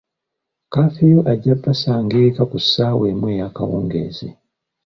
Kafiyu ajja basanga eka ku ssaawa emu eyakawungeezi.